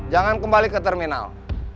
jangan kembali ke terminal